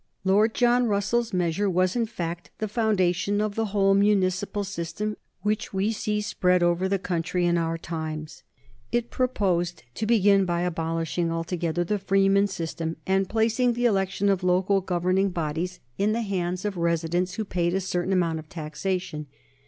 Lord John Russell's measure was, in fact, the foundation of the whole municipal system which we see spread over the country in our times. It proposed to begin by abolishing altogether the freeman system and placing the election of local governing bodies in the hands of residents who paid a certain amount of taxation.